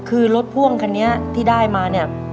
คือรถพ่วงคันนี้ที่ได้มา